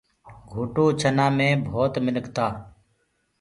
گھوٽو ڇنآ مي ڀوت منک تآ